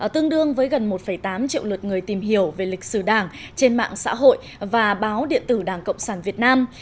tương đương với gần một tám triệu lượt người tìm hiểu về lịch sử đảng trên mạng xã hội và báo điện tử đảng cộng sản việt nam